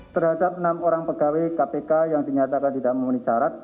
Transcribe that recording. terhadap enam orang pegawai kpk yang dinyatakan tidak memenuhi syarat